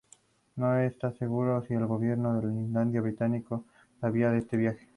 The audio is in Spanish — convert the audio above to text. El aeropuerto de Bratislava lleva su nombre en su recuerdo.